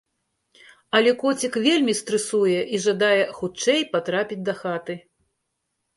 Але коцік вельмі стрэсуе і жадае хутчэй патрапіць дахаты!